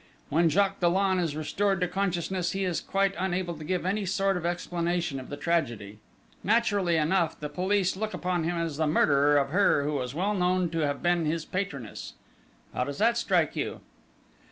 When Jacques Dollon is restored to consciousness, he is quite unable to give any sort of explanation of the tragedy; naturally enough, the police look upon him as the murderer of her who was well known to have been his patroness.... How does that strike you?"